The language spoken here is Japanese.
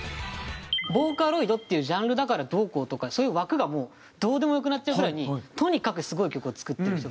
ボーカロイドっていうジャンルだからどうこうとかそういう枠がもうどうでもよくなっちゃうぐらいにとにかくすごい曲を作ってる人。